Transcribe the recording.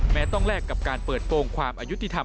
ต้องแลกกับการเปิดโปรงความอายุติธรรม